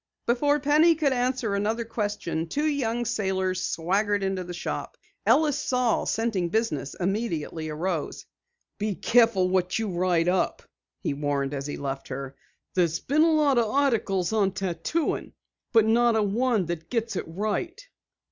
Before Penny could ask another question, two young sailors swaggered into the shop. Ellis Saal, scenting business, immediately arose. "Be careful what you write up," he warned as he left her. "There's been a lot of articles on tattooin', but not a one that's right.